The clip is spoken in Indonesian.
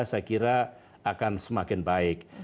saya kira akan semakin baik